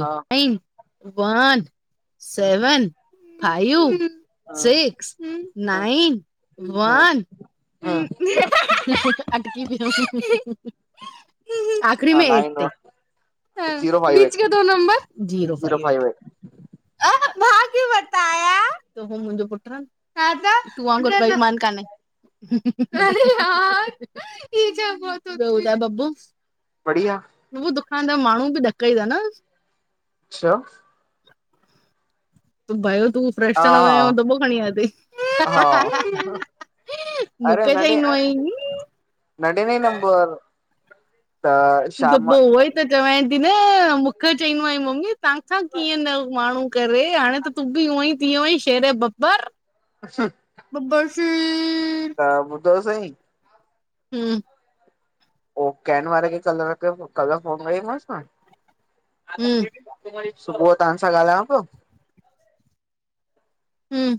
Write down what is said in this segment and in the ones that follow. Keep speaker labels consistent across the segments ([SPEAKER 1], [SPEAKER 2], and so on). [SPEAKER 1] हा
[SPEAKER 2] one seven. Five six nine one.
[SPEAKER 1] हा
[SPEAKER 2] [unintelligible] री में
[SPEAKER 1] नाइन
[SPEAKER 2] एट
[SPEAKER 1] जीरो फाइव
[SPEAKER 2] बीच
[SPEAKER 1] eight
[SPEAKER 2] the number zero five eight. आ, भाग्य
[SPEAKER 1] [inaudible]
[SPEAKER 2] [inaudible] मुंहिंजो पुट तो वागुंर बेइमान काने।
[SPEAKER 1] एट
[SPEAKER 2] अरे हा ई छा ब्यो बुधा बब्बू।
[SPEAKER 1] बढ़िया।
[SPEAKER 2] उो दुखान था माण्हू बि ॾक ई था न?
[SPEAKER 1] अ छा
[SPEAKER 2] भाई तूं फ्रेश
[SPEAKER 1] हा
[SPEAKER 2] तण व
[SPEAKER 1] हा
[SPEAKER 2] दॿो खणी आ तई।
[SPEAKER 1] हा
[SPEAKER 2] हहह
[SPEAKER 1] अरे
[SPEAKER 2] मूंखे
[SPEAKER 1] नॾे
[SPEAKER 2] चईन्दो आई।
[SPEAKER 1] न ॾिॾइ नंबर त।
[SPEAKER 2] त
[SPEAKER 1] शाम
[SPEAKER 2] पो उहोई त चवें ती न मूंखे चईंदो आईं मम्मी तव्हांखां कीअं न माण्हू करे, हाणे त तूं बि ऊएंई थी वियो आंई शेरे बब्बर,
[SPEAKER 1] अस [unintelligible]
[SPEAKER 2] बब्बर शे
[SPEAKER 1] त ॿुधो सईं,
[SPEAKER 2] हुं,
[SPEAKER 1] पो केन वारे खे कल्ह कयूम, कल्ह फोन उनेई मास न,
[SPEAKER 2] हूं
[SPEAKER 1] सुबुह तां सां ॻाल्हायां पियो,
[SPEAKER 2] हुं।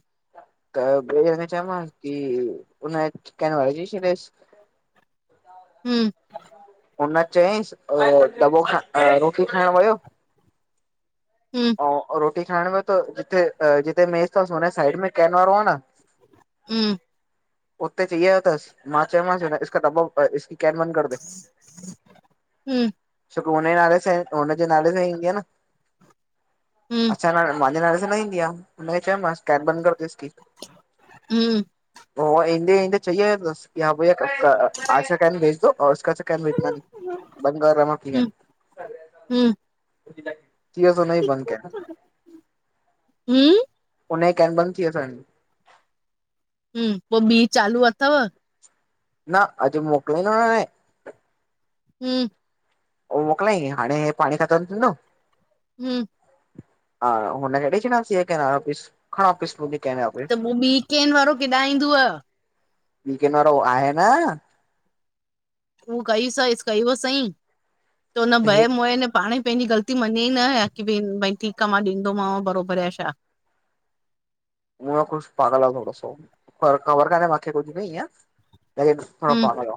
[SPEAKER 1] त भईया खे चयो मांस, की उन कैन वारे खे चइ छॾेस। [inaudible]
[SPEAKER 2] हुं,
[SPEAKER 1] हुन चयईसि ओ दॿो ख रोटी खाइण वयो,
[SPEAKER 2] हुं,
[SPEAKER 1] अऊं रोटी खाइण वयो, त जिथे- जिथे मेस तस, हुन साइड में केन वारो आ न,
[SPEAKER 2] हुं,
[SPEAKER 1] उते चई आयो तस, मां चयो मांस हिन इसका डब्बा पे इस केन बन्द करदे,
[SPEAKER 2] हूं हूं
[SPEAKER 1] छोकी हुनजे नाले सां ए, हुनजे नाले सां ई ईंदी आ न।
[SPEAKER 2] हूं
[SPEAKER 1] अच्छा न मांजे नाले सां न ईंदिया, उनखे चयम मांस कैन बंद कर दे इसकी।
[SPEAKER 2] हुं,
[SPEAKER 1] पो ऊअ ईंदे-ईंदे चई आयो तस, कि हां भईया खटका आज से कैन भेज दो और उसका स च वच बंगार र मकली
[SPEAKER 2] हूं हूं
[SPEAKER 1] [unintelligible] थीयस उनई बंद केन,
[SPEAKER 2] हूं
[SPEAKER 1] उनई केन बंदि थीयस।
[SPEAKER 2] हूं, पो ॿी चालू अथव?
[SPEAKER 1] न अॼु मोकिलऊं ता न न-
[SPEAKER 2] हुं
[SPEAKER 1] हो मोकलई हाणे हे पाणी खत्म थींदो।
[SPEAKER 2] हम्म
[SPEAKER 1] हा हुन खे ॾई छॾांस ये केन वापिस खण वापिस मुॾे
[SPEAKER 2] त पो ॿी केन वारो किॾां ईंदव?
[SPEAKER 1] ॿी केन वारो आहे न,
[SPEAKER 2] उ कई सस कईव सईं त हुन
[SPEAKER 1] त हे
[SPEAKER 2] भए मोए न पाणे पंहिंजी ग़लती मञेई न या की भई- भई ठीकु आ मां ॾींदोमांव, बराबरि या छा?
[SPEAKER 1] उहं कुुछ पागल -वागल तस थोड़ो पर खबर कान्हे मांखे कुछ बि इयं। लॻेस थां
[SPEAKER 2] हूं
[SPEAKER 1] पागल आ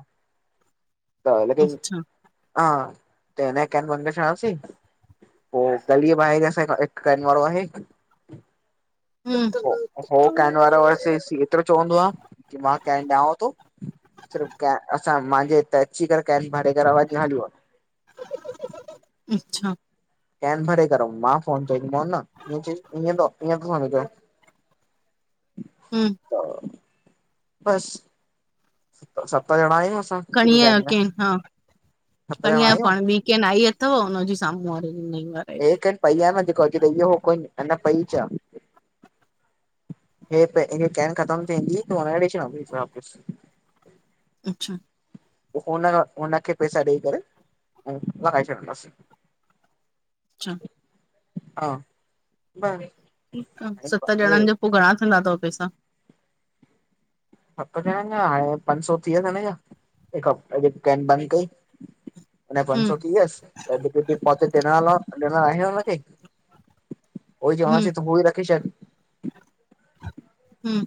[SPEAKER 1] त लेकिन
[SPEAKER 2] अच्छा
[SPEAKER 1] हा, त इनये केन बंद कयासीं। पोइ गलीअ ये बाहर असां हिक केन वारो आहे,
[SPEAKER 2] हूं
[SPEAKER 1] हो कैन वारो बस एसी एतिरो चवंदो आ, मां कैन ॾियांव तो, सिर्फ केन असां मांजे हिते अची करे केन मां ॾई करे आवाजु ॾियां जो,
[SPEAKER 2] अच्छा।
[SPEAKER 1] केन भरे करे मां फोन चईमान [unintelligible] नअंअं थो स [inaudible]
[SPEAKER 2] हम्म
[SPEAKER 1] त बस सत जणा आयूंसि।
[SPEAKER 2] खणी आहियो केथां, हा
[SPEAKER 1] सत
[SPEAKER 2] खणी
[SPEAKER 1] ॼणा
[SPEAKER 2] आयो
[SPEAKER 1] आहियूं
[SPEAKER 2] पाण बी। केनि आई अथव हुनजी साम्हूं वारे जी ॾिनईं त।
[SPEAKER 1] हेकट पईया न जेको अजु ॾई वियो हो कोई, अञा पईच् आ। हे पहिरीं केन ख़तम वेंदी, पो हारे छॾींदसि वापस।
[SPEAKER 2] अच्छा।
[SPEAKER 1] पोइ हुन हुनखे पैसा ॾेई करे ऐं वहाए छॾींदासीं।
[SPEAKER 2] अच्छा।
[SPEAKER 1] हा, बले।
[SPEAKER 2] ठीकु आ, सत ॼणनि जो पोइ घणा थींदा तव पैसा?
[SPEAKER 1] सत ॼाणंनि जा हाणे पंज सौ टीह थीया इन जा, केन बंदि कई। हिन जा पंज
[SPEAKER 2] हम्म
[SPEAKER 1] सौ थी वियस, अञु हित डिपोसाइट ॾियण आयो आयां उन खे। उहो
[SPEAKER 2] हम्म
[SPEAKER 1] चवांसि तूं पो ई रखी छॾि।
[SPEAKER 2] हम्म।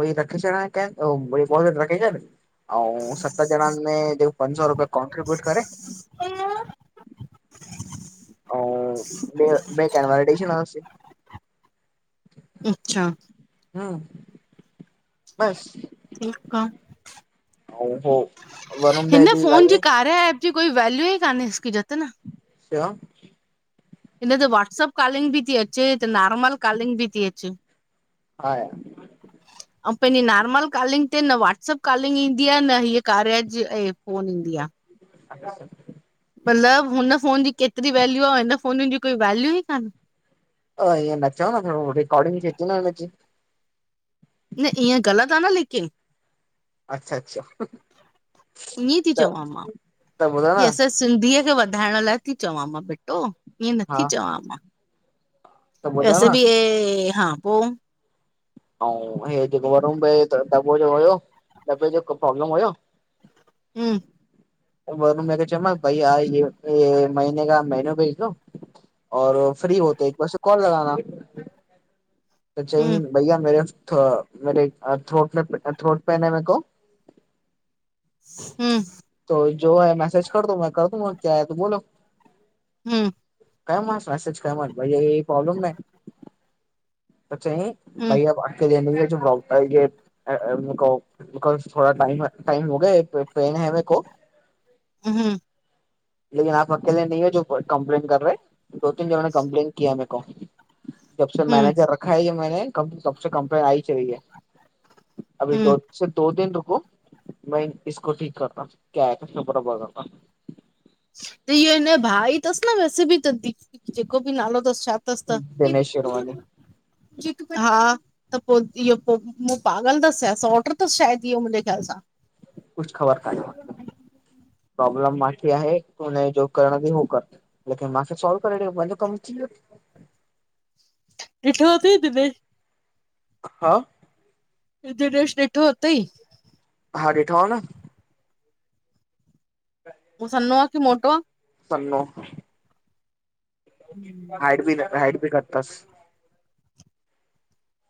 [SPEAKER 1] ऊओई रखी छॾिणां इन केन पो बई रखी छॾि। अऊं सत ॼणनि में जेको पंज सौ रुपया कोॉन्ट्रीब्यूट करे
[SPEAKER 2] हलो।
[SPEAKER 1] अऊं, ॿे केन वारा ॾेई छॾियांस।
[SPEAKER 2] अच्छा।
[SPEAKER 1] हम्म, बस।
[SPEAKER 2] ठीक आ,
[SPEAKER 1] हो वरुण भाई
[SPEAKER 2] हिन फोन जी
[SPEAKER 1] ॻाल्हि
[SPEAKER 2] कार्या ऐप। जी कोई वैल्यू ई कान्हे इसकी जतिन।
[SPEAKER 1] छा।
[SPEAKER 2] हिन ते व्हाट्सअप कॉलिंग बि ती अचे, त नॉर्मल कॉलिंग बी ती अचे।
[SPEAKER 1] हा।
[SPEAKER 2] अऊ पंहिंजी नॉर्मल कॉलिंग ते न व्हाट्सअप कॉलिंग ईंदी आ न हीअ कार्य जी, ऐं फोन ईंदी आ।
[SPEAKER 1] अच्छा।
[SPEAKER 2] मतिलबु हुन फ़ोन जी केतिरी वैल्यू आ, हिन फाननि जी कोई वैल्यू ई काने?
[SPEAKER 1] अ, ईअं न चओ न भेण, हो रिकॉर्डिंग थै थी न हिनजी।
[SPEAKER 2] न ईअं ग़लति आ न लेकिन।
[SPEAKER 1] अच्छा अच्छा,
[SPEAKER 2] ईअं थी
[SPEAKER 1] त,
[SPEAKER 2] चवां मां
[SPEAKER 1] त ॿुधो
[SPEAKER 2] की
[SPEAKER 1] न।
[SPEAKER 2] असां सिंधीअ खे वधाइण लाइ ती चवां मां बेटा, ईअं
[SPEAKER 1] हा
[SPEAKER 2] नथी चवां मां।
[SPEAKER 1] त ॿुधो
[SPEAKER 2] वैसे
[SPEAKER 1] न
[SPEAKER 2] बी हे, हा पोइ।
[SPEAKER 1] अऊं, हे जेको वरुन भैया जे तरफ खां दॿो जेको हुयो। दॿे जो को प्रब्लम हुयो।
[SPEAKER 2] हूं
[SPEAKER 1] वरी उन खे चयोमांस, भैया ये महीने का मैनू भेजि दो। और फ्री होते एक बार से कॉल लॻाना। त चई
[SPEAKER 2] हूं
[SPEAKER 1] भैया मेरे थ्रोट मेरे थ्रोट पेन है मेरे को।
[SPEAKER 2] हम्म।
[SPEAKER 1] त, जो है मैसेज कर दूंगा कर दूंगा क्या है, तूं बोलो।
[SPEAKER 2] हम्म।
[SPEAKER 1] कयो मांस मैसेज कयो मांस भई ये ये पॉब्लम है, त चयईं
[SPEAKER 2] हूं
[SPEAKER 1] भाई अब [unintelligible] अं बि बिकाज़ि थोड़ा टाईम हो गया है, पैन हइ मेरे को।
[SPEAKER 2] हम्म।
[SPEAKER 1] लेकिन आप अकेले नहीं है जो कंप्लेन कर रहे है, दो तीन जनों नें कंप्लेन कीया मेरे को। जब
[SPEAKER 2] हूं
[SPEAKER 1] मैनेजर रखा ह मे तब कंप्लेन आई च [unintelligible] अभी
[SPEAKER 2] हूं
[SPEAKER 1] त [unintelligible] स दो दिन रुको इको ठीक कर करा [unintelligible]
[SPEAKER 2] त इहो हिनज भाउ ई अथसि न वैसे बि त, जेको बि नालो अथसि छा तस
[SPEAKER 1] हूँ।
[SPEAKER 2] त
[SPEAKER 1] दिनेश शिरवानी
[SPEAKER 2] हा [unintelligible] त पो इहो पो मूं पागल थसि छा, सौट्र थसि शायदि इहो मुंहिंजे ख़्याल सां!
[SPEAKER 1] कुझु ख़बर काने। प्रोब्लम माखे आहे हि कोन, जो करणो थई हो कर लेकिन मूंखे सोल्व करे ॾियो, मांजो कमु थी वियो।
[SPEAKER 2] ॾिठो अथ‌ई तिने [unintelligible]
[SPEAKER 1] अआ [inaudible]
[SPEAKER 2] दिनेश ॾिठो हुतेई [unintelligible]
[SPEAKER 1] हा ॾिठो आ न
[SPEAKER 2] हू सनो आ की मोटो आ?
[SPEAKER 1] सनो हाइट बि न, हाइट बि घट थस।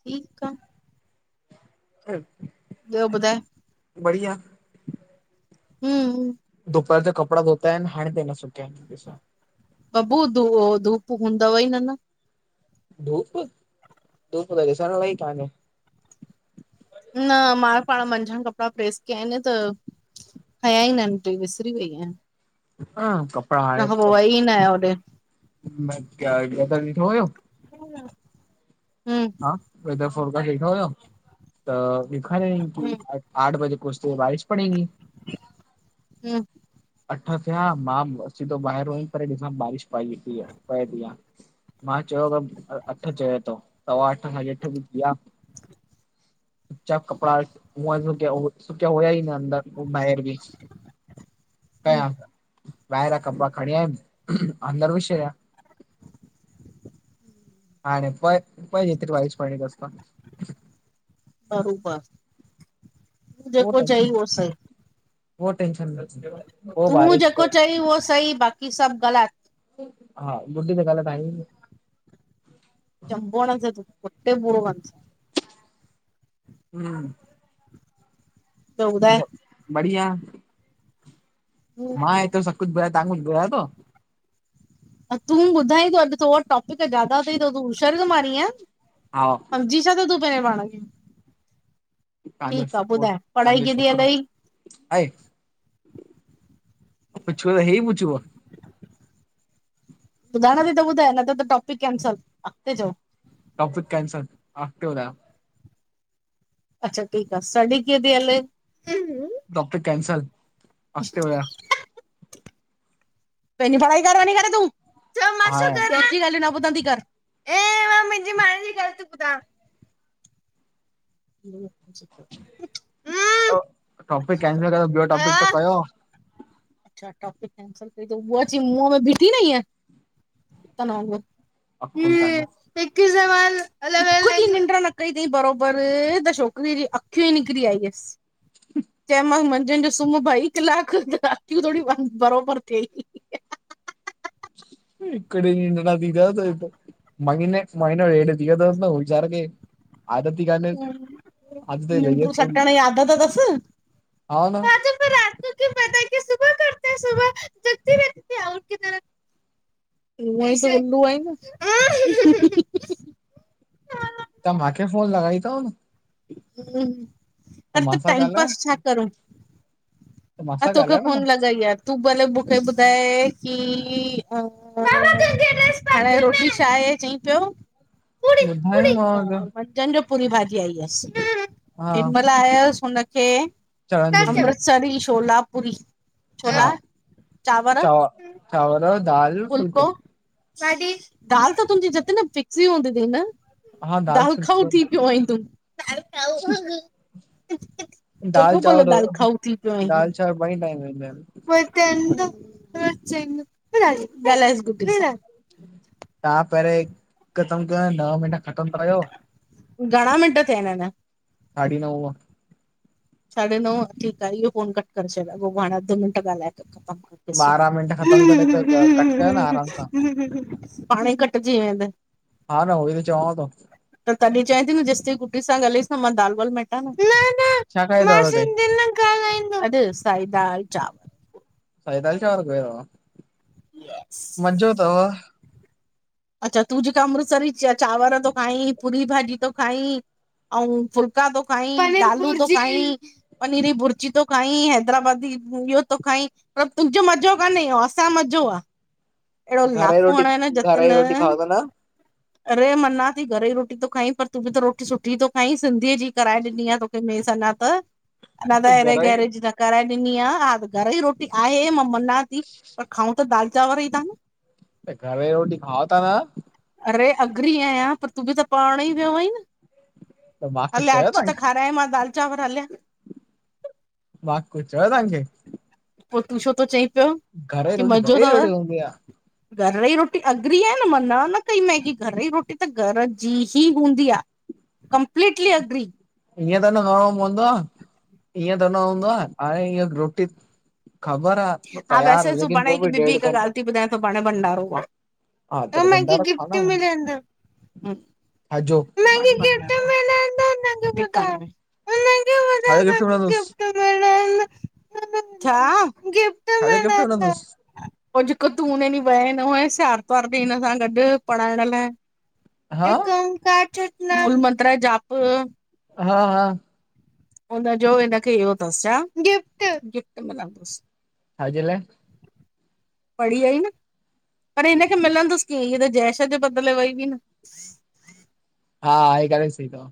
[SPEAKER 2] ठीकु आ।
[SPEAKER 1] ह [inaudible]
[SPEAKER 2] ॿियो ॿुधाए
[SPEAKER 1] बढ़िया
[SPEAKER 2] हम
[SPEAKER 1] दुपहर जो कपड़ा धोता आहिन, हाणे तांई न सुकिया आहिन ॾिसो।
[SPEAKER 2] बबू दो अं धुप हूंदव ई न, न।
[SPEAKER 1] धूप! धूप त ॾिसण लाइ ई कान्हे।
[SPEAKER 2] न मां पाण मंझिन कपिड़ा प्रेस कया आहिन, त खंया ई नं पई, विसरी वई आं।
[SPEAKER 1] हा [unintelligible]
[SPEAKER 2] तैं खां पो वई ही न आहियां होॾे।
[SPEAKER 1] त ठो वयो [unintelligible]
[SPEAKER 2] हम [unintelligible]
[SPEAKER 1] वर फोरा वेठो हुयो त ॾखारियो
[SPEAKER 2] हम
[SPEAKER 1] [unintelligible] आठ बजे पहुछते बारिश पड़ेंगी [unintelligible]
[SPEAKER 2] [inaudible]
[SPEAKER 1] अठ थिया, मां सिधो ॿाहिर हुअम पर ॾिसां बारिश प‌ए थी या प‌ए थी या? मां चयो अठ चए तो, सवा अठ- साॾी अठ थी व्या। उचा कपड़ा सुकिया हुया ई न, अंदर अउं ॿाहिर भी।
[SPEAKER 2] हम
[SPEAKER 1] ॿाहि‌रियां कपड़ा खणी आयुम, अंंदर विझी सॾया। हा ने पोइ पईत वाईश पाणीस्त [unintelligible]
[SPEAKER 2] बरोबर [unintelligible] तूं जेको चई उहो सही
[SPEAKER 1] ट ट [unintelligible]
[SPEAKER 2] तूं जेको चई उहो सही, बाक़ी सब ग़लत।
[SPEAKER 1] हा गुडी तॻाल ताई [unintelligible]
[SPEAKER 2] चंबो हडंदी सांय कुट्टे पूरो कंदी सांय।
[SPEAKER 1] हम्म
[SPEAKER 2] तूं ॿुधाये?
[SPEAKER 1] बढिया। मां हेतिरो सॿ कुझु बुधायो तहां कुझु बुधायो तव?
[SPEAKER 2] तूं ॿुधाइतो अॼु तोवट टॉपिक ज़ादा त‌ई त तूं हुशारी तो मारीं या?
[SPEAKER 1] हा
[SPEAKER 2] जी छा त तूं पहिरें पाण खें?
[SPEAKER 1] तव्हांजो
[SPEAKER 2] ठीक आह ॿुधाए पढ़ाई कींअं ती हल‌ई?
[SPEAKER 1] हाय पुछयो त ही पुछॿो आ?
[SPEAKER 2] बुधायणो त‌ई त ॿुधाए न त त टॉपिक कैंसल अॻते चओ।
[SPEAKER 1] टौपिक कैनसल अॻते ॿुधायो।
[SPEAKER 2] अच्छा ठीक आह स्टडी कीअं थी हले? हामं
[SPEAKER 1] टोपिक कैनसल अॻते ॿुधायो।
[SPEAKER 2] पंहिंजी पढ़ाई कर वञी करें तूं, छो मां छो
[SPEAKER 1] हा
[SPEAKER 2] करां दी गाल्हियूं न बुधंती कर ऐ मां मुंहिंजी म‌ांण्हे जी गाल्ह ती बुधा। [inaudible]
[SPEAKER 1] अ टॉपिक कैंसल कयो ॿियो टॉपिक त कयो
[SPEAKER 2] अच्छा टॉपिक केंसल कई त हू ब्यो अची मुंहं में बीठी न ईएंं ुतन वांगुर
[SPEAKER 1] अकुल कानेस
[SPEAKER 2] ीक ॾीहुं निंड्र न कई थई बराोबर त छोकिरीअ जी अखियूं ई निकरी आई हुयसि चंए मांस मंझंनि जो सुूम्ह ॿई कलाक त अखियूं थोडी़ बराबर थियइ
[SPEAKER 1] इकडे डीहुं नंढा थीीधाजय त मंॻिनेस महीनो ॾेढ थी वयो तस न वचार खे आदत ही कानेस अगते लॻयस
[SPEAKER 2] निंड्रू
[SPEAKER 1] कोन
[SPEAKER 2] सटण जी आदत अथसि
[SPEAKER 1] हा न
[SPEAKER 2] हाँ तो फिर रात को क्यों पता तिरे तिते आउल की तर उअई सेंदू आई न
[SPEAKER 1] तव्हा मांहखे फोन लगॻाई थव न?
[SPEAKER 2] हूँ अरे त
[SPEAKER 1] मासां
[SPEAKER 2] टाइम
[SPEAKER 1] ॻाल्हायो
[SPEAKER 2] पास छा करूँ?
[SPEAKER 1] त
[SPEAKER 2] हा
[SPEAKER 1] मासां
[SPEAKER 2] तोखे
[SPEAKER 1] ॻाल्हायो
[SPEAKER 2] फोन
[SPEAKER 1] न
[SPEAKER 2] लगॻाई आहेय तूं भले मूंखे ॿुधाए की हाणे रोटी छा आहे चई पियो पूड़ी पूड़ी
[SPEAKER 1] ॿुधायोमांव जो
[SPEAKER 2] मंझन जो पूरी भाॼी आई अस
[SPEAKER 1] हा
[SPEAKER 2] इमर आयसि हुनखे
[SPEAKER 1] चणनि जी भाॼी
[SPEAKER 2] अमृतसरी छोलापुरी
[SPEAKER 1] हा
[SPEAKER 2] छोला चांवर
[SPEAKER 1] चांव चांवर दाल फुल्को
[SPEAKER 2] फुलको साडी दाल त तुंहिंजी जतिन फिक्स ई हूंदी थी न?
[SPEAKER 1] हा
[SPEAKER 2] दाल खाऊ
[SPEAKER 1] फुल्को
[SPEAKER 2] थी पियो आई तूं। दालखाूं
[SPEAKER 1] [inaudible] दाल
[SPEAKER 2] चङो भलो
[SPEAKER 1] चांवर
[SPEAKER 2] दाल खाऊ थी
[SPEAKER 1] दाल चांवर बई टाइम ईंदा आहिन
[SPEAKER 2] पोइई तन त चइनो गालायोस गुड्डी सां
[SPEAKER 1] तव्हां पहिरियों ही ख़तम कयो ॾह मिंट ख़तम कयो
[SPEAKER 2] घणा मिंट थिया आहिनिा अञा?
[SPEAKER 1] हाड़ी नोवा
[SPEAKER 2] साढे नव ठीकु आहे इहो फोन कट करे छॾियो अॻोपो हाणे अधु मिंट ॻाल्हाए त ख़तमु ॾिसो
[SPEAKER 1] ॿारहं मिंट ख़तम करे क- क- कट कयो न आराम सां
[SPEAKER 2] पाणे ही कटिजी वेंदे
[SPEAKER 1] हा न होई त चवांव थो
[SPEAKER 2] त तॾहिं चवां थी न जेसताईं गुड्डी सां ॻाल्हाइसि मां दाल वाल मेट न न
[SPEAKER 1] छा खाए
[SPEAKER 2] मां
[SPEAKER 1] अथव रोटी
[SPEAKER 2] सिंधी न ॻाल्हाईंदम अॼु साई दाल चाव
[SPEAKER 1] [unintelligible]
[SPEAKER 2] यस
[SPEAKER 1] मज़ो तव।
[SPEAKER 2] अच्छा, तू जेका अमृतसरी चांवर तो खाईं, पूरी भाॼी तै खाईं। अ फुल्का तो खाईं दालूं तो खाईं। पनीर जी भुर्जी तो खाईं, हैदराबादी इहो त खाईं। पर तुंजो मज़ो काने, असां मज़ो आ। एड़ो
[SPEAKER 1] घर जी
[SPEAKER 2] लाफो
[SPEAKER 1] रोटी
[SPEAKER 2] हणाएं न
[SPEAKER 1] घर
[SPEAKER 2] जतिन।
[SPEAKER 1] जी रोटी खाओ था न
[SPEAKER 2] अरे! मनांती घर जी रोटी तो खाईं, पर तूं बि त रोटी सुठी तो खाईं, सिंधीअ जी कराए ॾिनी आ। मसाला त
[SPEAKER 1] [inaudible]
[SPEAKER 2] अञा त ऐरे गैरे जी न कराए ॾिनी आ, हा घर जी रोटी आहे मां मञांती पर खाऊं त दाल चांवर ई ता न।
[SPEAKER 1] त घर जी रोटी खाओ ता न।
[SPEAKER 2] अरे! अगरी आयां, पर तूं बी त पढ़ण ई वियो आहीं न।
[SPEAKER 1] त मां कुझु
[SPEAKER 2] हल
[SPEAKER 1] चयो
[SPEAKER 2] अच त
[SPEAKER 1] तव्हांखे
[SPEAKER 2] खारायांए मां दाल चांवर हलिया।
[SPEAKER 1] मां कुछ चयो तव्हांखे।
[SPEAKER 2] पोइ तूं छो तो चईं पियो?
[SPEAKER 1] घर जी
[SPEAKER 2] की
[SPEAKER 1] रोटी घर
[SPEAKER 2] मज़ो
[SPEAKER 1] जी रोटी
[SPEAKER 2] अथव
[SPEAKER 1] हूंदी आ।
[SPEAKER 2] घर जी रोटी अगरी आयां न, मां न न कई मांए, कि घर जी रोटी त घर जी ही हूंदी आ। Completely agree.
[SPEAKER 1] ईएंं त न करणो पवंदो आ, ईएंं त न हूंदो आ, हाणे इय रोटी ख़बर आ, पो
[SPEAKER 2] हा
[SPEAKER 1] तयार
[SPEAKER 2] वैसे
[SPEAKER 1] लेकिन
[SPEAKER 2] सुभाणे
[SPEAKER 1] वो
[SPEAKER 2] हिकु
[SPEAKER 1] बि
[SPEAKER 2] ॿी
[SPEAKER 1] डेढ
[SPEAKER 2] हिकु
[SPEAKER 1] घंटो
[SPEAKER 2] ॻाल्हि थी ॿुधायां सुभाणे भंडारो
[SPEAKER 1] हा, त
[SPEAKER 2] आहे
[SPEAKER 1] पो
[SPEAKER 2] असांखे
[SPEAKER 1] भंडारो खा
[SPEAKER 2] गिफ्ट
[SPEAKER 1] न
[SPEAKER 2] मिलंदो
[SPEAKER 1] छाजो?
[SPEAKER 2] [unintelligible]
[SPEAKER 1] छाजो गिफ्ट मिलंदुसि
[SPEAKER 2] [unintelligible] छा? गिफ्ट
[SPEAKER 1] छाजो गिफ्ट
[SPEAKER 2] [unintelligible]
[SPEAKER 1] मिलंदुसि
[SPEAKER 2] ओ जेको तू उने ॾींह वएं न हुएंस आर्तवार ॾींह हिन सां गॾ पढ़ाइण लाई।
[SPEAKER 1] हा
[SPEAKER 2] इकमकार सतनाम [unintelligible]
[SPEAKER 1] हा-हा।
[SPEAKER 2] उनजो खे इनकरे इयो तस छा, गिफ्ट-गिफ्ट मिलंदुस।
[SPEAKER 1] छाजे लाइ?
[SPEAKER 2] पढ़ी अई न पर हिनखे मिलंदुस कीअं हीय त जयेश जे बदले वई हुई न।
[SPEAKER 1] हा, आहे करे सही तव।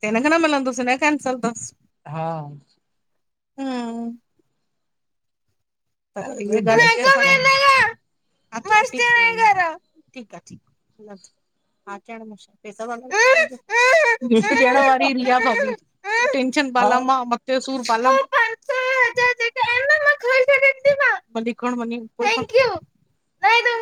[SPEAKER 2] त हिनखे न मिलंदुस हिनजो कैंसल तस।
[SPEAKER 1] हा।
[SPEAKER 2] हूं। [unintelligible] ठीक आ, ठीक आ। [unintelligible] [unintelligible] त टेंशन पाला मां मथे जो सूर पाला हली खणी वञी। [unintelligible]